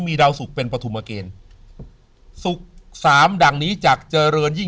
มีดาวสุกเป็นปฐุมเกณฑ์สุขสามดังนี้จากเจริญยิ่ง